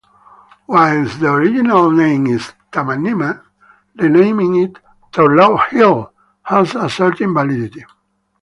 Whilst the original name is Tomaneena, renaming it 'Turlough Hill' has a certain validity.